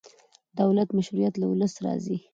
د دولت مشروعیت له ولس راځي